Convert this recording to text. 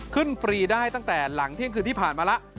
ฟรีได้ตั้งแต่หลังเที่ยงคืนที่ผ่านมาแล้ว